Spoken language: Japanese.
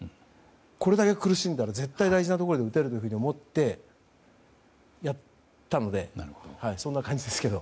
これだけ苦しんだら絶対大事なところで打てると思っていたのでそんな感じですけど。